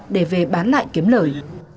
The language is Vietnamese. để về bán lại kiếm lời